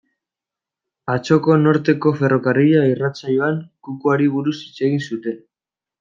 Atzoko Norteko Ferrokarrila irratsaioan, kukuari buruz hitz egin zuten.